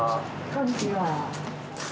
こんにちは。